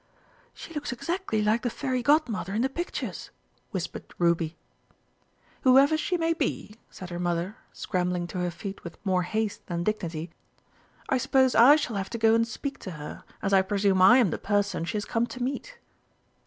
"She looks exactly like the Fairy Godmother in the pictures," whispered Ruby. "Whoever she may be," said her Mother, scrambling to her feet with more haste than dignity, "I suppose I shall have to go and speak to her, as I presume I am the person she has come to meet."